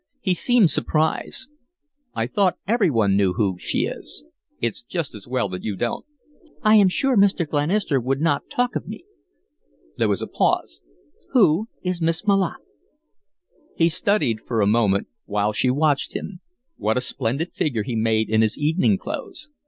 He seemed surprised. "I thought every one knew who she is. It's just as well that you don't." "I am sure Mr. Glenister would not talk of me." There was a pause. "Who is Miss Malotte?" He studied for a moment, while she watched him. What a splendid figure he made in his evening clothes!